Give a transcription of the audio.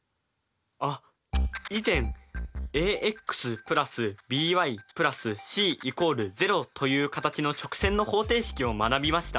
あっ以前ａｘ＋ｂｙ＋ｃ＝０という形の直線の方程式を学びました。